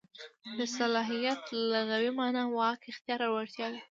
د صلاحیت لغوي مانا واک، اختیار او وړتیا ده.